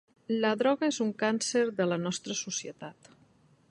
La droga és un càncer de la nostra societat.